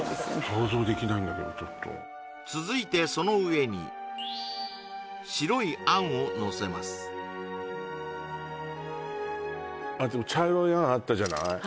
想像できないんだけど続いてその上に白いあんをのせますあっでも茶色いあんあったじゃない？